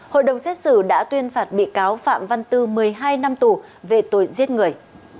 hội đồng xét xử đã tuyên phạt bị cáo phạm văn tư một mươi hai năm tù về tội giết người